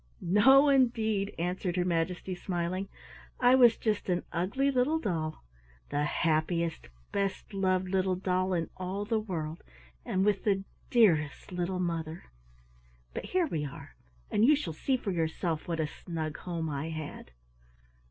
"No, indeed," answered her majesty, smiling. "I was just an ugly little doll, the happiest, best loved little doll in all the world, and with the dearest little mother. But here we are, and you shall see for yourself what a snug home I had."